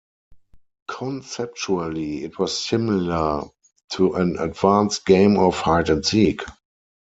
Conceptually, it was similar to an advanced game of hide and seek.